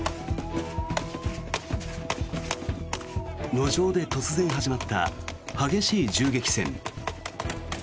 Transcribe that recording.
路上で突然始まった激しい銃撃戦。